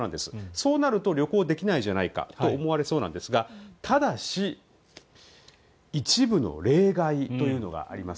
そうなると旅行できないじゃないかと思われそうなんですがただし一部の例外というのがあります。